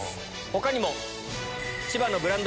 他にも。